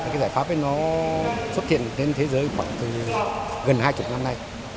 cái giải pháp ấy nó xuất hiện trên thế giới khoảng từ gần hai mươi năm nay